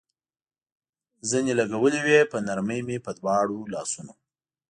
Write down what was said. زنې لګولې وې، په نرمۍ مې په دواړو لاسونو.